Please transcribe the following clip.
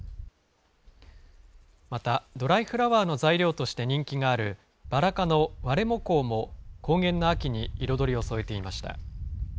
またドライフラワーの材料として人気があるバラ科のワレモコウも高原の秋に彩りを添えていました。